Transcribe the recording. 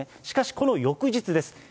しかしこの翌日です。